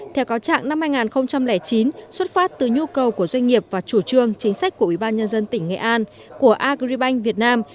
theo cáo trạng năm hai nghìn chín xuất phát từ nhu cầu của doanh nghiệp và chủ trương chính sách của ubnd tỉnh nghệ an của agribank việt nam